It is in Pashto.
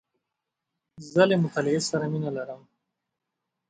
زه له مطالعې سره مینه لرم .